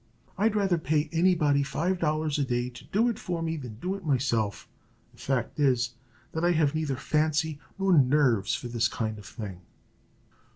I'd rather pay any body five dollars a day to do it for me than do it myself. The fact is, that I have neither fancy nor nerves for this kind of thing."